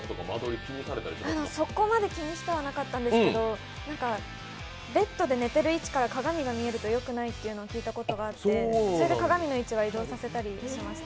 そこまで気にしてはなかったですけどベッドで寝ている位置から鏡が見えるとよくないと聞いたことがあってそれで鏡の位置は移動させたりしました。